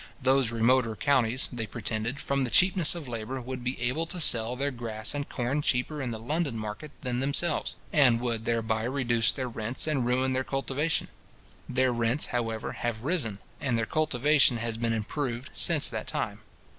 Those remoter counties, they pretended, from the cheapness of labour, would be able to sell their grass and corn cheaper in the London market than themselves, and would thereby reduce their rents, and ruin their cultivation. Their rents, however, have risen, and their cultivation has been improved since that time.